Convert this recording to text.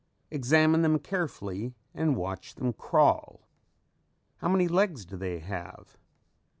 Examine them carefully and watch them crawl. How many legs do they have?